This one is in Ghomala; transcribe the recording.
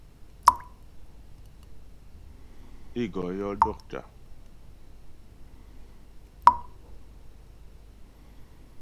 Ê gɔ yɔ́ dɔ́ktà.